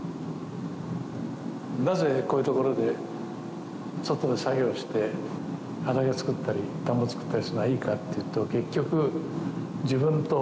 なぜこういう所で外で作業して畑を作ったり田んぼ作ったりするのがいいかっていうと結局。